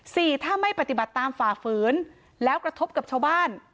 สี่ถ้าไม่ปฏิบัติตามฝ่าฝืนแล้วกระทบกับชาวบ้าน